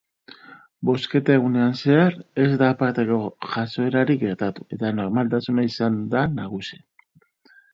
Bozketa-egunean zehar ez da aparteko jazoerarik gertatu, eta normaltasuna izan da nagusi.